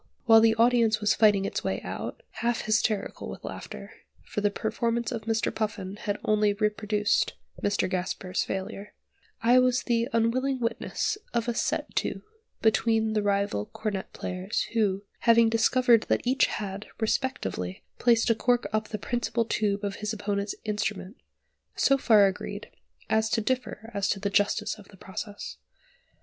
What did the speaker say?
while the audience was fighting its way out, half hysterical with laughter (for the performance of Mr. Puffin had only reproduced Mr. Gasper's failure), I was the unwilling witness of a "set to" between the rival cornet players, who, having discovered that each had, respectively, placed a cork up the principal tube of his opponent's instrument, so far agreed, as to differ as to the justice of the process.